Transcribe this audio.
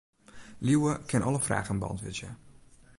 Liuwe kin alle fragen beäntwurdzje.